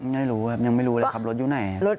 ไม่รู้ครับยังไม่รู้เลยครับรถอยู่ไหน